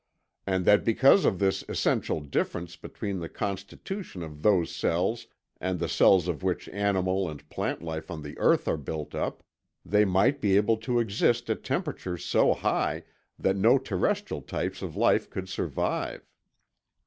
And that because of this essential difference between the constitution of those cells and the cells of which animal and plant life on the earth are built up, they might be able to exist at temperatures so high that no terrestrial types of life could survive."